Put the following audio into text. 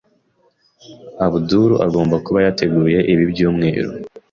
Abdul agomba kuba yarateguye ibi byumweru.